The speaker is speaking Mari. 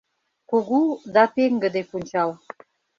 КУГУ ДА ПЕҤГЫДЕ ПУНЧАЛ